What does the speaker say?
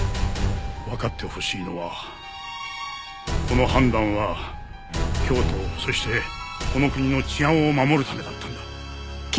わかってほしいのはこの判断は京都をそしてこの国の治安を守るためだったんだ。